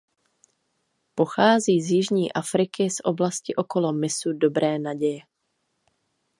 Pochází z Jižní Afriky z oblasti okolo Mysu dobré naděje.